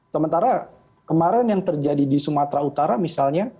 sementara kemarin yang terjadi di sumatera utara misalnya